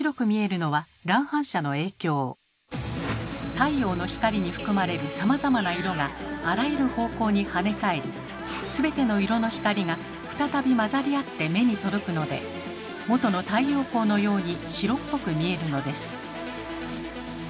太陽の光に含まれるさまざまな色があらゆる方向にはね返り全ての色の光が再び混ざり合って目に届くのでもとの太陽光のように白っぽく見えるのです。